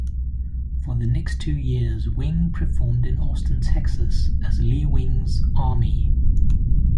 For the next two years, Ving performed in Austin, Texas as Lee Ving's Army.